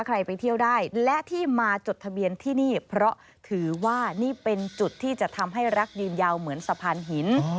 ไปเที่ยวได้และที่มาจดทะเบียนที่นี่เพราะถือว่านี่เป็นจุดที่จะทำให้รักยืนยาวเหมือนสะพานหิน